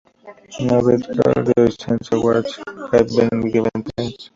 No "Best Girl-Girl Scene" awards have been given since.